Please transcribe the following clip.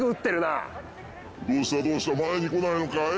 いどうしたどうした前に来ないのかい？